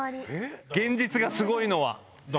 現実がすごいのは。